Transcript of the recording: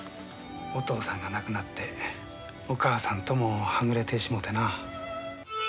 お父さんが亡くなってお母さんともはぐれてしもうてな。